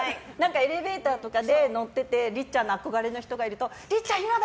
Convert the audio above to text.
エレベーターとかに乗っててりっちゃんの憧れの人がいるとりっちゃん、今だ！